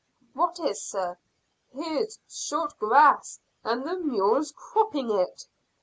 "What is, sir?" "Here's short grass, and the mules cropping it."